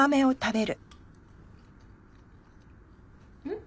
ん？